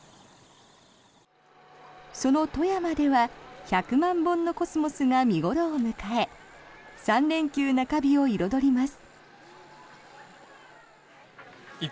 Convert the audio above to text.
その富山では１００万本のコスモスが見頃を迎え３連休中日を彩ります。